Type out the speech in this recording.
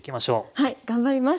はい頑張ります！